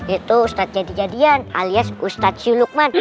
itu ustadz jadi jadian alias ustadz si lukman